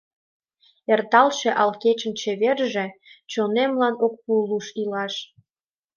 Эрталше ал кечын чеверже Чонемлан ок пу луш илаш.